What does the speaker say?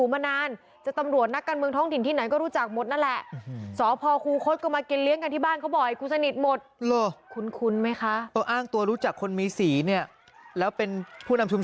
อืมจากจับตามธนนทร์ถึงจะมาเป็นผู้ใหญ่